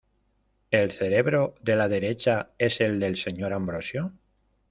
¿El cerebro de la derecha es el del señor Ambrosio?